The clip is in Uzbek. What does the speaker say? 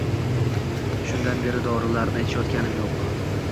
Shundan beri dorilarni ichayotganim yo’q.